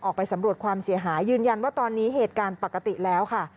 ออกไปสำรวจความเสียหายยืนยันว่าตอนนี้เหตุการณ์ปกติแล้วค่ะ